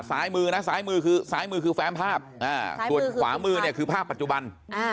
สายมือคือแฟมภาพส่วนขวามือคือภาพปัจจุบัน